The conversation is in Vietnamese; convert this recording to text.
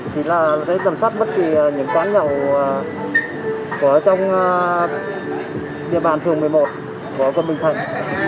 chỉ là để giảm sát bất kỳ những quán nhậu của trong địa bàn thường một mươi một của quận bình thạnh